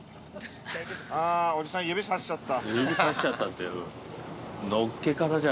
おじさん、指さしちゃった。